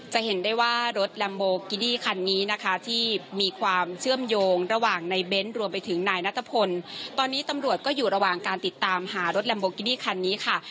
จะเห็นได้ว่ารถลัมโบกินี่คันนี้นะคะที่มีความเชื่อมโยงระหว่างในเบ้นรวมไปถึงนายนัทพลตอนนี้ตำรวจก็อยู่ระหว่างการติดตามหารถลัมโบกินี่คันนี้ค่ะ